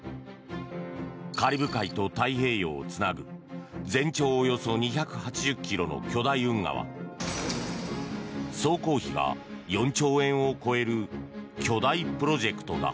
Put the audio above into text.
カリブ海と太平洋をつなぐ全長およそ２８０ｋｍの巨大運河は総工費が４兆円を超える巨大プロジェクトだ。